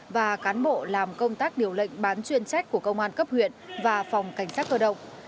và cán bộ làm công tác điều lệnh bán chuyên trách của công an cấp huyện và phòng cảnh sát cơ động